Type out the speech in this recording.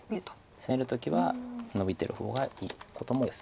攻める時はノビてる方がいいことも多いです。